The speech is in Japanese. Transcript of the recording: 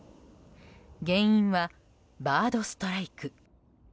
原因はバードストライク。